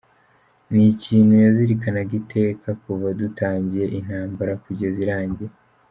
Ni ikintu yazirikanaga iteka kuva dutangiye intambara kugeza irangiye.